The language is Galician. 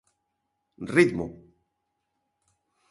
Ritmo.